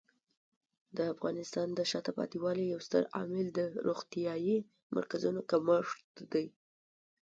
د افغانستان د شاته پاتې والي یو ستر عامل د روغتیايي مرکزونو کمښت دی.